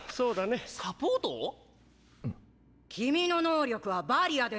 君の能力はバリアでしょ？